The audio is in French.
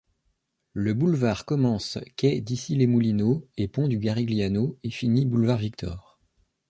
Le boulevard commence quai d'Issy-les-Moulineaux et pont du Garigliano et finit boulevard Victor.